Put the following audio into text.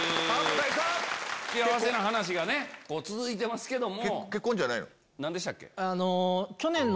幸せな話が続いてますけども。